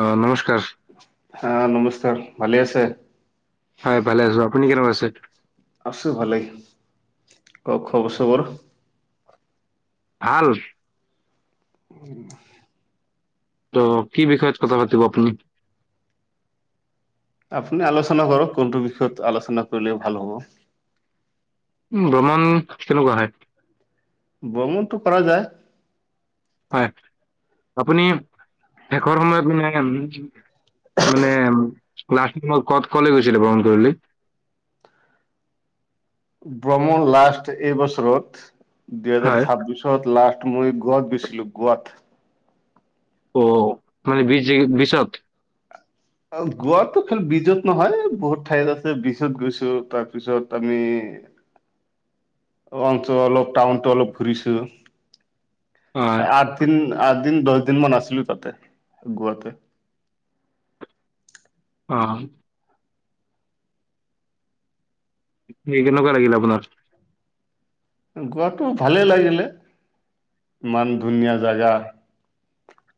অ নমস্কাৰ হা, নমস্কাৰ ভালে আছে। হয়, ভালে আছোঁ আপুনি কেনেকুৱা আছে। আছোঁ ভালেই, কওঁক খবৰ চবৰ? ভাল। উম। ত'কি বিষয়ত কথা পাতিব আপুনি? আপুনি আলোচনা কৰক কোনটো বিষয়ত আলোচনা কৰিলে ভাল হ'ব। ভ্ৰমণ কেনেকুৱা হয়? ভ্ৰমনটো পাৰা যায়। হয় আপুনি শেষৰ সময়ত ম মানে লাষ্ট টাইমত ক'ত কলে গৈছিলে ভ্ৰমণ কৰি? [unintelligible] ভ্ৰমণ লাষ্ট এইবছৰত দুইহাজাৰ হয় ছাব্বিছত লাষ্ট। মই গোৱাত গৈছিলোঁ গোৱাত। অ', মানে বিশজ বিছত। অ', গোৱাটো খাল বীজত নহয় বহুত ঠাইত আছে বীজত গৈছোঁ তাৰপিছত আমি। [inaudible] অঞ্চল অলপ টাউনতো অলপ ঘূৰিছোঁ। হয় আঠ দিন, আঠ দিন, দহ দিন মান আছিলোঁ তাতে গোৱাতে। অ'। কেনেকুৱা লাগিল আপোনাৰ? গোৱাতটো ভালেই লাগিলে ইমান ধুনীয়া জেগা।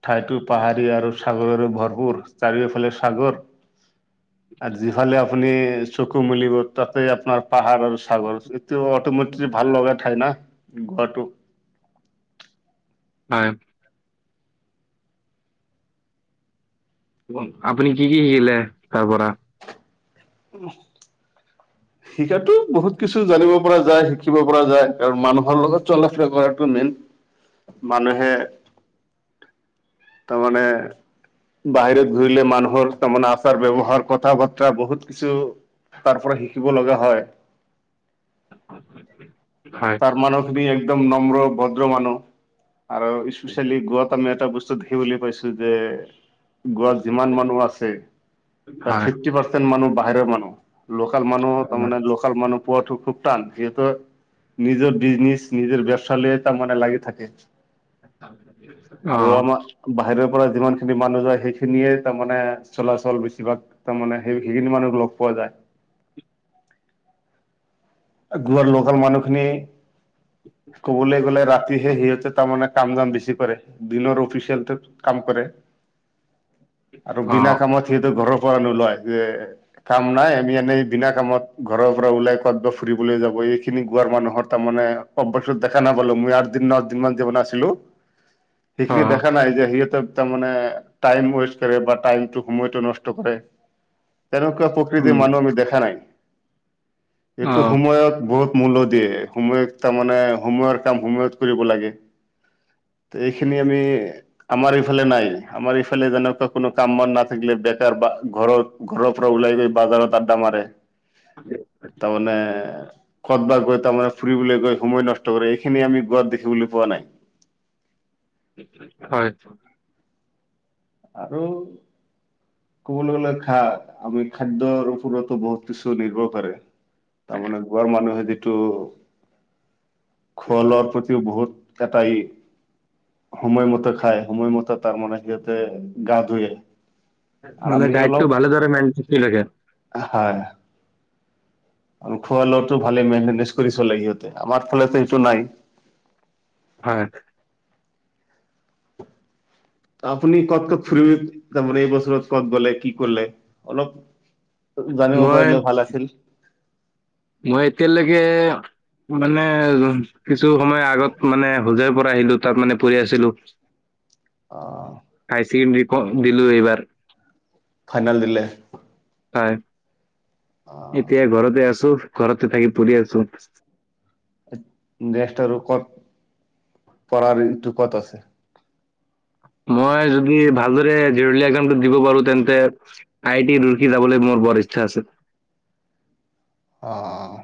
ঠাইতো পাহাৰীয়া আৰু সাগৰৰে ভৰপূৰ চাৰিওফালে সাগৰ। [inaudible] আৰু যিফালে আপুনি চকু মিলিব তাতে আপোনাৰ পাহাৰ আৰু সাগৰ, এইটো অটমেটিক। ভাল লগা ঠাই না গোৱাটো। হয়। আপুনি কি, কি শিকিলে তাৰ পৰা? উম [unintelligible] শিকাতো বহুত কিছু জানিব পৰা যায় শিকিব পৰা যায় কাৰণ মানুহৰ লগত চলাফুৰা কৰাটো মেইন মানুহে তাৰমানে বাহিৰত ঘূৰিলে মানুহৰ তাৰমানে আচাৰ ব্যৱহাৰ কথা বাৰ্তা বহুত কিছু তাৰ পৰা শিকিব লগা হয় অ তাৰ মানুহখিনি একদম নম্ৰ ভদ্ৰ মানুহ আৰু স্পেচিয়ালি গোৱা এটা বস্ত ছত সি বুলি পাইছো যে গোৱাত যিমান মানুহ আছে তাৰ হয় ফিফটি পাৰ্চেন্ট মানুহ বাহিৰৰ মানুহ লোকেল মানুহ তাৰমানে লোকেল মানুহ পোৱাটো খুব টান সিহেতৰ নিজৰ বিজনেছ নিজৰ ব্যৱসায় লৈ তাৰমানে লাগি থাকে অ আৰু আমাক বাহিৰৰ যিমান খিনি মানুহ যায় সেইখিনিয়ে তাৰমানে চলাচল বেছিভাগ তাৰমানে সেই সেইখিনি মানুহ লগ পোৱা যায় [unintelligible] তোমাৰ লোকেল মানুহ খিনি কবলৈ গ'লে ৰাতিহে সিহঁতে তাৰমানে কাম দাম বেছি কৰে দিনৰ অফিচিয়েলটো কাম কৰে আৰু অ বিনা কামত সিয়েতো ঘৰৰ নোলায় যে কাম নাই আমি এনেই দিনা কামত ঘৰৰ পৰা ওলাই কত ব ফুৰিবলৈ যাব এইখিনি গোৱাৰ মানুহৰ তাৰ মানে অত দেখা নাপালো মই আঠ দিন নচ দিন মান যিমান আছিলো [inaudible] সেইখিনি দেখা নাই যে সিহঁতে তাৰ মানে টাইম ওয়েষ্ট কৰে বা টাইম সময়টো নষ্ট কৰে। তেনেকুৱা উম প্ৰকৃতিৰ মানুহ আমি দেখা নাই অ এইটো সময়ত বহুত মূল দিয়ে সময়ত তাৰমানে সময়ৰ কাম সময়ত কৰিব লাগে। [inaudible] এইখিনি আমি আমাৰ ইফালে নাই আমাৰ ইফালে যেনেকুৱা কোনো কাম বন নাথাকিলে বেকাৰ বা ঘৰৰ ঘৰৰ পৰা ওলাই গৈ বাজাৰত তডা মাৰে হয় [inaudible] তা মানে খত বা গৈ তাৰমানে ফুৰিবলৈ গৈ সোমাই নষ্ট কৰে এইখিনি আমি গোৱাত দেখিবলৈ পোৱা নাই। হয় আৰু ক'বলৈ গ'লে খা আমি খাদ্যৰওপৰতো বহুত কিছু নিৰ্ভৰ কৰে। তাৰমানে গৰ মানুহে যিটো খোৱা লোৱাৰ প্ৰতিও বহুত কটাই সময়মতে খায় সময়মতে তাৰ মানে সিহতে মানে ডাইটটো অলপ ভালদৰে মেন লাগে হয়। আৰু খোৱা লোৱাটো ভালে মেনতেনেজ কৰি চলে ইহঁতে আমাৰ ফালে এইটো নাই। হয় আপুনি কত কত ফুৰিব তাৰমানে এইবছৰত কত গলে কি কৰলে অলপ জানিব মই পাৰিলে ভাল আছিল। মই এতিয়ালৈকে মানে কিছু সময় আগত মানে হোজাই তাৰ মানে পঢ়ি আছিলো আহ হাইছেকেন্দাৰী ক দিলো এইবাৰ। ফাইনেল দিলে? হয় আহ এতিয়া ঘৰতে আছো ঘৰতে থাকি পঢ়ি আছো। ৰেস্ট আৰু কত পঢ়া ৰেস্টটো কত আছে? মই যদি ভালদৰে জৰুলীয়া কাম দিব পাৰো তেন্তে আই টি ডিউতি যাবলৈ মোৰ বৰ ইচ্ছা আছে। আহ।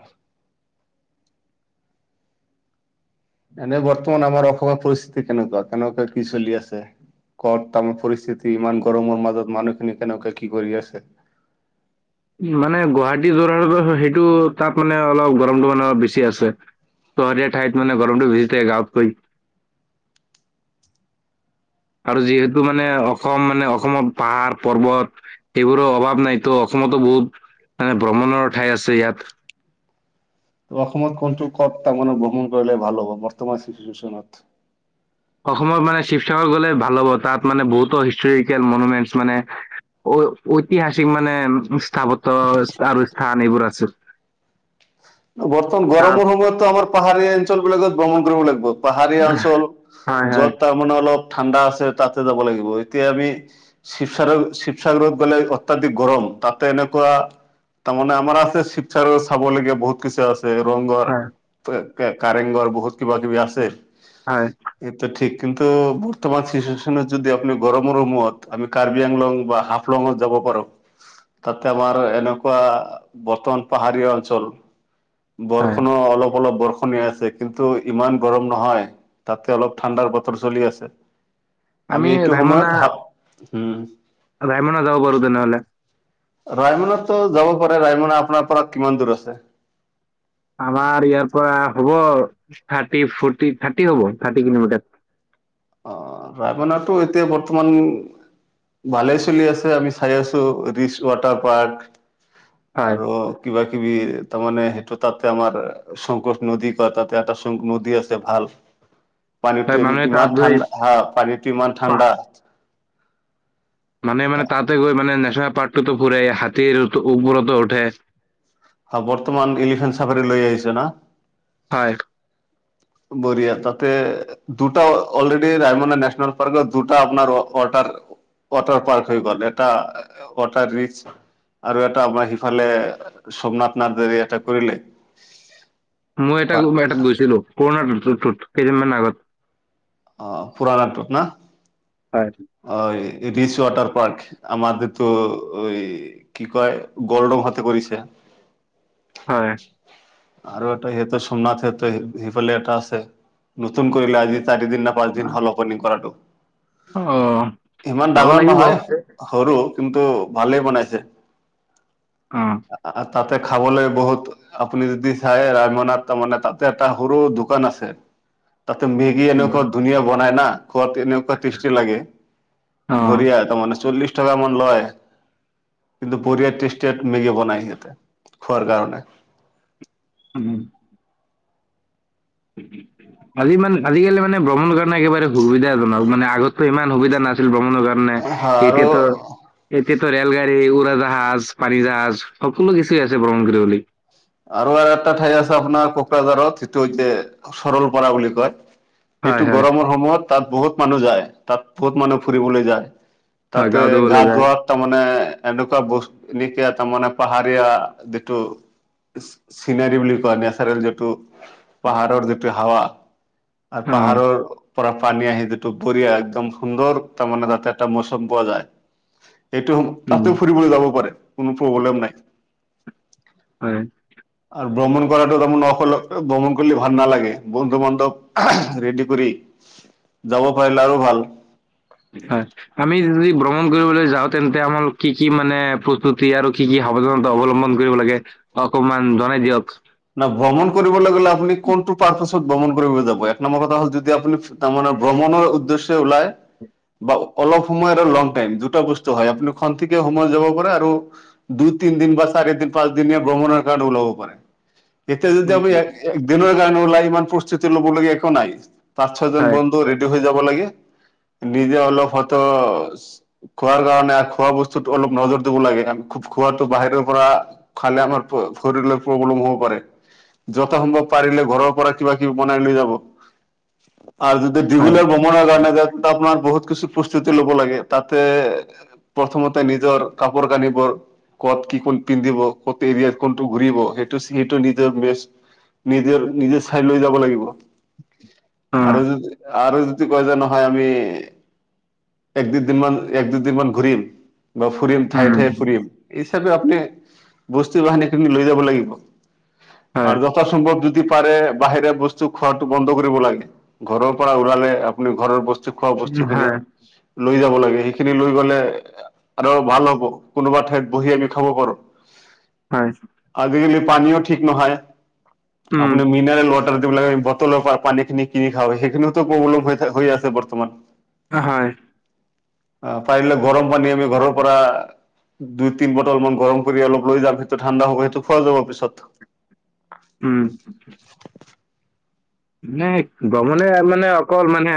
এনেই বৰ্তমান আমাৰ অসমৰ পৰিস্থিতি কেনেকুৱা কেনেকুৱা কি চলি আছে? কৰ তামাৰ পৰিস্থিতি ইমান গৰমৰ মাজত মানুহখিনি কেনেকে কি কৰি আছে? [inaudible] মানে গুৱাহাটী যোৰহাট সেইটো তাত মানে অলপ গৰমটো মানে অলপ বেছি আছে। ত হৰিীয়া ঠাইত মানে গৰমটো ভিজ দেগ আপক আৰু যিহেতু মানে অসম মানে অসমত পাহাৰ পৰ্বত সেইবোৰৰ অভাৱ নাইতো অসম অসমতো বহুত মানে ভ্ৰমণৰ ঠাই আছে ইয়াত। ত অসমত কোনটো কথ তাৰ মানে ভ্ৰহণ কৰিলে ভাল হব বৰ্তমান চিচচনত? অসমত মানে শিৱসাগৰ গ'লে ভাল হ'ব তাত মানে বহুতো হিষ্টৰিকেল মনুমেণ্টছ মানে ঐতিহাসিক মানে স্থাপত্ আৰু স্থান এইবোৰ আছে। বৰ্তমান তাত গৰমৰ সময়তো আমাৰ পাহাৰীয়া অঞ্চল বিলাকত ভ্ৰমণ কৰিব লাগিব পাহাৰীয়া অঞ্চল হয় য'ত হয় তাৰমানানে অলপ ঠাণ্ডা আছে তাতে যাব লাগিব এতিয়া আমি শিৱসাগ শিৱসাগত গ'লে অত্যাধিক গৰম তাতে এনেকুৱা তাৰমানে আমাৰ আছে শিৱসাৰ চাবলগীয়া বহুত বত কিছু আছে ৰংঘৰ হয় কাৰেংঘৰ বহুত কিবা কিবি আছে হয় এইটো ঠিক কিন্তু বৰ্তমান চিচুৱুৱচনেত যদি আপনি গৰমৰমত আমি কাৰ্বি আংলং বা হাফলঙত যাব তাতে আমাৰ এনেকুৱা বৰ্তমান পাহাৰীয়া অঞ্চল হয় বৰষণো অলপ অলপ বৰষ শন আছে কিন্তু ইমান গৰম নহয় তাতে অলপ ঠাণ্ডাৰ বতৰ চলি আছে। আমি এইটো সময়ত হপ হম, ৰাইমনা যাব পাৰো তেনেহ'লে। ৰায়মনাতো যাব পাৰা যায় ৰায়মনা আপোনাৰ পৰা কিমান দূৰ আছে? আমাৰ ইয়াৰ পৰা হ'ব থাৰ্টি-ফৰ্টি থাৰ্টি হ'ব থাৰ্টি কিলোমিটাৰ। অ, ৰাইমনাটো এতিয়া বৰ্তমান ভালে চলি আছে আমি চাই আছো ৰিচ ৱাটাৰ পাৰ্ক, হয় আৰু কিবা কিবি তাৰমানে সেইটো তাতে আমাৰ শংকোচ নদী [unintelligible] তাতে এটা নদী আছে ভাল, [inaudible] পানীতো মানুহে ইমান তাত গৈ ঠাণ্ডা হা পানীতো ইমান পা- ঠাণ্ডা। মানে মানে তাতে গৈ মানে নেশ্যনেল পাৰ্কটোতো ফুৰে হাতীৰ উ ওৰ্বৰতো উঠে। হয় বৰ্তমান এলিফেণ্ট চাফাৰী লৈ আহিছে না? হয়। বঢ়িয়া তাতে দুটা অলৰেডি ৰাায়মনা নেশ্যনেল পাৰ্ক দুটা আপোনাৰ ৱাটাৰ ৱাটাৰ পাৰ্ক হৈ গ'ল এটা ৱাটাৰ ৰিচ, আৰু এটা আমাৰ সিফালে সোমনাথ নাৰ্জাৰী এটা কৰিলে। মই এটা এটাত গৈছিলোঁ পুৰণাতোত কেইদিনমান আগত। অ, পুৰাণাটোত না হয় অ, ৰিচ ৱাটাৰ পাৰ্ক আমাৰ [unintelligible] ঐ কি কয় গৰডং হতে কৰিছে। হয়। আৰু এটা সিহঁতৰ সোমনাথ সিহঁতে সিফালে এটা আছে নতুন কৰিলে আজি চাৰি দিন নে পাঁচ দিন হ'ল অপেনিং কৰাটো। অ ইমান যাব ডাঙৰ লাগিব অ নহয় সৰু কিন্তু ভালেই বনাইছে। অ আ-আ তাতে খাবলৈ বহুত আপুনি যদি চাই ৰামনাত তাৰ মানে তাতে এটা সৰু দোকান আছে, [inaudible] তাতে মেগী এনেকুৱা ধুনীয়া বনায় না, খুৱাত এনেকুৱা তেচটি লাগে বৰহিয়া তাৰ মানে চল্লিশ টকা মান লয় কিন্তু বৰহিয়া টেষ্ট মেগি বনাই সিহতে খোৱাৰ কাৰণে। [inaudible] [inaudible] আজি মানে আজিকালি মানে ভ্ৰমণে কাৰনে একেবাৰে সুবিধাজনক মানে আগতকৈ ইমান সুবিধা নাছিল ভ্ৰমণ কাৰণে আৰু এতিয়াতো, এতিয়া ৰেলগাড়ী, উৰাজাহাজ, পানী জাহাজ সকলো কিছু আছে ভ্ৰমণ কৰিবলৈ। আৰু, আৰু এটা ঠাই আছে আপোনাৰ কোকৰাঝাৰত সেইটো হৈছে সৰলপাৰা বুলি কয়। হয় এইটো হয় গৰমৰ সময়ত তাত বহুত মানুহ যায় তাত বহুত মানুহ ফুৰিবলৈ যায়। হয় তাতে গাঁও গা ধুবলৈ যায় ধোৱাৰাত তাৰমানে এনেকুৱা বস [unintelligible] এটা মানে পাহাৰীয়া যিটো চিনাৰি বুলি কোৱা নেচাৰেল যিটো পাহাৰৰ যিটো হাৱা আৰু অ পাহাৰৰ পৰা পানী আহি যিটো [unintelligible] একদম সুন্দৰ তাৰমানে যাতে এটা মৌচম পোৱা যায়। সেইটো উম তাতে ফুৰিবলৈ যাব পাৰে কোনো প্ৰব্লেম নাই। হয়। আৰু ভ্ৰমণ কৰাটো তাৰমানে অকলে ভ্ৰমণ কৰিলে ভাল নালাগে বন্ধু, বান্ধৱ ৰেডি কৰি যাব পাৰিলে আৰু ভাল। হয়, আমি যদি ভ্ৰমণ কৰিবলৈ যাও তেন্তে আমাৰ কি, কি মানে প্ৰস্তুতি আৰু কি, কি সাৱধানতা অৱলম্বন কৰিব লাগে, অকমান জনাই দিয়ক। ন, ভ্ৰমণ কৰিবলৈ গ'লে আপুনি কোনটো পাৰপাত ভ্ৰমণ কৰিবলৈ যাব এক নম্বৰ কথা হ'ল যদি আপুনি তাৰানে ভ্ৰমণৰ উদ্দেশ্যে ওলাই বা অলপ সময় আৰু লং টাইম দুটা বস্তু হয় আপুনি ক থ সময় যাব পাৰে আৰু দুই দু, তি দিন বা চাৰি দিন, পাঁচ দিনীয়া ভ্ৰমণৰ কাৰণে ওলাব পাৰে। এতিয়া যদি আমি এক দিনৰ গান ওলাই ইমান প্ৰস্তুতি ল'ব লগীয়া একো নাই। পাঁছ, ছয়জন হয়, বন্ধু ৰেডি হৈ যাব লাগে। [inaudible] নিজে অলপ হয়ত খোৱাৰ কাৰণে খোৱা বস্তুত অলপ নজৰ দিব লাগে আমি খুব খোৱা বাহিৰৰ পৰা খালে আমাৰ শৰ প্ৰব্লেম হ যত সম্ভৱ পাৰিলে ঘৰৰ পৰা কিবা, কিবি বনাই লৈ যাব। আৰু যদি হয়, দীঘলৰ ভ্ৰমণৰ কাৰণে যায়ন্ত আপোনাৰ বহুত কিছু প্ৰস্তুতি ল'ব লাগে তাতে প্ৰথমতে নিজৰ কাপোৰ, কানিবোৰ কত কি কোন পিন্ধিব ক'ত এৰিয়াত কোনটো ঘূৰিব সেইটো সেইটো নিজৰ বেচ নিজৰ, নিজে চাই লৈ যাব লাগিব। আৰু, অ', আৰু কয় যে নহয় আমি এক, দুদিন মমান এক, দুদিন মমান ঘূৰিম। বা ফুৰিম ঠায়ে, উম, ঠায়ে ফুৰিম এইচাপে আপুনি বস্তু বাহিনীখিনি লৈ যাব লাগিব। হয়, আৰু যথাসাস্ভৱ যদি যদি পাৰে বাহিৰে বস্তু খোৱাটো বন্ধ কৰিব লাগে। ঘৰৰ পৰা ওলালে আপুনি ঘৰৰ বস্তু খোৱা উম, বস্তু খিনি হয়, লৈ যাব লাগে। সেইখিনি লৈ গলে আৰু ভাল হ'ব কোনোবা ঠাইত বহি আমি খাব পাৰো। হয়। আজিকালি পানীও ঠিক নহয় উম, আপুনি মিনেল দিব লাগে বটলৰ পানীখিনি কিনি খাওঁ সেইখিনও প্ৰব্লেম হৈ, হৈ আছে বৰ্তমান। হয়। আহ পাৰিলে গৰম পানী আমি ঘৰৰ পৰা দুই, তিন বটল মান গৰম কৰি অলপ লৈ যাম সেইটো ঠাণ্ডা হ'ব সেইটো খোৱা যাব পিছত উম, ম, গমনে মানে অকল মানে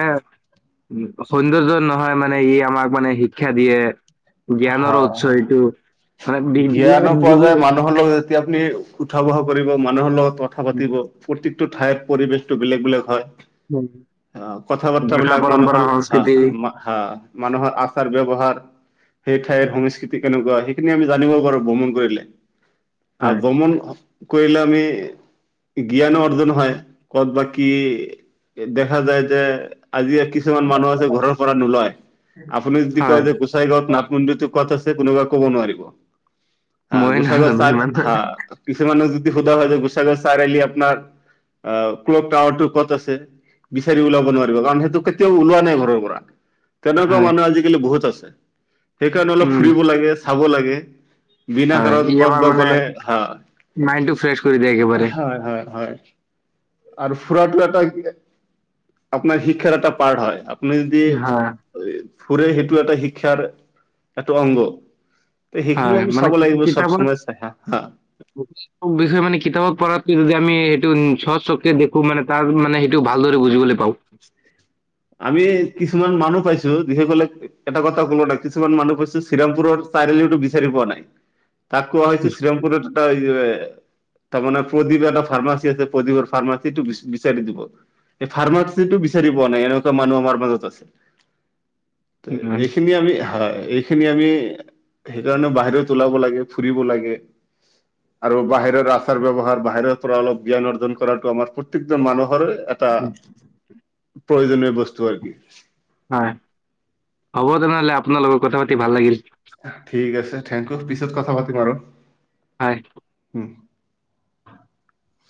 উ, সৌন্দৰ্য নহয় মানে ই আমাক মানে শিক্ষা দিয়ে। জ্ঞানৰ উৎস হয়। এইটো মানে বিজ্ঞান জ্ঞানো য পোৱা যায় মানুহৰ লগত আপুনি উঠা বহা কৰিব মানুহৰ লগত কথা পাতিব টো ঠাইত পৰিবেশটো বেলেগ বেলেগ হয়। উম। অ', কথা বাৰ্তাবিলাক মানুহৰ হা হা মানুহৰ আচাৰ ব্যৱহাৰ সেই ঠাইৰ সংস্কৃতি কেনেকুৱা সেইখিনি আমি জানিব পাৰো ভ্ৰমণ কৰিলে। আহ হয়, ভ্ৰমণ কৰিলে আমি জ্ঞানো অৰ্জন হয়। ক'ত বা কি দেখা যায় যে আজি কিছুমান মানুহ আছে ঘৰৰ পৰা নোলায়। আপুনি যদি কয় হয়, যে গোচাই গাঁৱত ন [unintelligible] ক'ত আছে কোনোবায়ে ক'ব নোৱাৰিব। হা ময়ে গোসাই নাজানো ইমান [unintelligible] কিছুমানে সোধা হয় যে গোসাই গাৱৰ চাৰিআলি আপোনাৰ আহ ক্ল'ক টাৱাৰ ক'ত আছে? বিচাৰি ওলাব নোৱাৰিব। কাৰণ সেইটো কেতিয়াও ওলোৱা নাই ঘৰৰ পৰা। তেনেকুৱা হয়। মানুহ আজিকালি বহুত আছে। সেইকাৰণে অলপ উম, ফুৰিব লাগে চাব লাগে। বিনা হয়। কাৰণত ই ক'ত আমাৰ বা মানে গ'লে হা মাইণ্ডটো ফ্ৰেছ কৰি দিয়ে একেবাৰে। হয় হয় হয়। আৰু ফুৰাটো এটা আপোনাৰ শিক্ষাৰ এটা পাৰট হয়। আপুনি যদি হয়, ফুৰে সেইটো এটা শিক্ষাৰ এটা অংগ। ত সেইখিনিও হয়। আমি মানে চাব কি লাগিব চব কিতাপত সময় চাইহে। বিষয়ে মানে কিতাপত পঢ়াতকৈ যদি আমি টো চ চকুৰে দেখো মানে তাৰ মানে সেইটো ভালদৰে বুজিবলৈ পাওঁ। আমি কিছুমান মানুহ পাইছো যিসকলে এটা কথা কলো নাই কিছুমান মানুহ পাইছো শ্ৰীমপুৰৰ চাৰি আলিটো বিচাৰি পোৱা নাই। তাক কোৱা হৈছে শ্ৰীমপুৰৰ এটা তাৰমানে প্ৰদীপ এটা ফাৰ্মাচী আছে প্ৰদীপৰ ফাৰমাৰ্চীটো বিচাৰি দিব। এই ফাৰ্মাচটো বিচাৰি পোৱা নাই। মানুহ আমাৰ মাজত আছে উম, এইখিনি আমি হয়। এইখিনি আমি সেইকাৰণে বাহিৰ লাব লাগে ফুৰিব লাগে। আৰু বাহিৰৰ আচাৰ ব্যৱহাৰ বাহিৰৰ পৰা অলপ জ্ঞান অৰ্জন কৰাটো আমাৰ প্ৰত্যেকজন মানুহৰে এটা উম। প্ৰয়োজনীয় বস্তু আৰু কি। হয়ন হ'ব তেনেহলে আপোনাৰ লগত কথা পাতি ভাল লাগিল। ঠিক আছে থেংক ইউ পিছত কথা পাতিম আৰু। হয়। [inaudible]